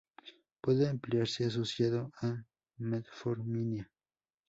Puede emplearse asociado a metformina.